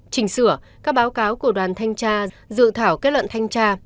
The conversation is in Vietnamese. chỉnh sửa các báo cáo của đoàn thanh tra dự thảo kết luận thanh tra